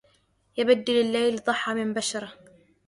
يبدل الليل ضحى من بشره